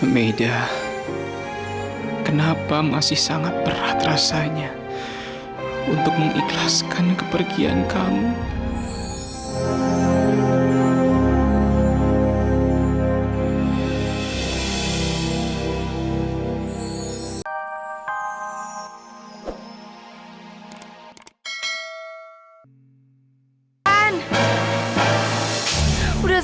maida kenapa masih sangat berat rasanya untuk mengikhlaskan kepergian kamu